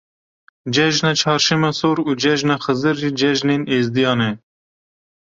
Cejina Çarşema Sor û Cejna Xizir jî cejnên êzîdiyan e.